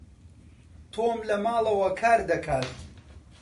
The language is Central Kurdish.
تۆم لە ماڵەوە کار دەکات.